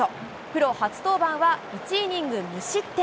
プロ初登板は１イニング無失点。